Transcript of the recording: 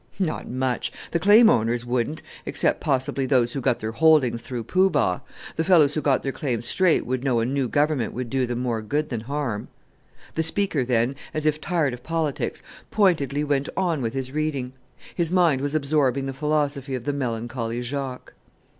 "Not much! The claim owners wouldn't, except possibly those who got their holdings through Poo Bah. The fellows who got their claims straight would know a new Government would do them more good than harm." The speaker then, as if tired of politics, pointedly went on with his reading; his mind was absorbing the philosophy of the melancholy Jacques.